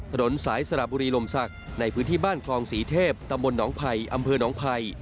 ถนนสายสระบุรีลมศักดิ์ในพื้นที่บ้านคลองศรีเทพตำบลหนองไผ่อำเภอหนองภัย